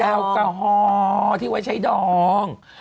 แอลกอฮอล์ที่ไว้ใช้ดอง